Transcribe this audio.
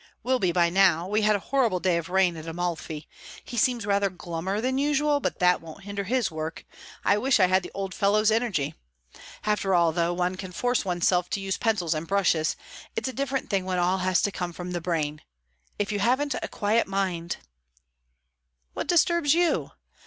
"Will be by now; we had horrible day of rain at Amalfi. He seems rather glummer than usual, but that won't hinder his work. I wish I had the old fellow's energy. After all, though, one can force one's self to use pencils and brushes; it's a different thing when all has to come from the brain. If you haven't a quiet mind " "What disturbs you?"